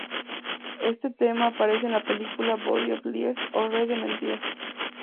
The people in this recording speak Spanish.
Este tema aparece en la película "Body Of Lies" o "Red de Mentiras".